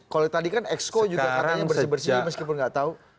kalau tadi kan exco juga katanya bersih bersih meskipun nggak tahu